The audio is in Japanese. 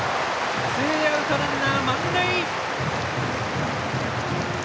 ツーアウト、ランナー満塁！